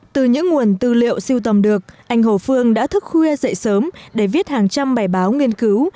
từ những nguồn tư liệu siêu tầm được anh hồ phương đã thức khuya dậy sớm để viết hàng trăm bài báo nghiên cứu